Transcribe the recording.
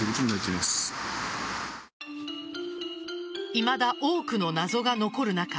いまだ多くの謎が残る中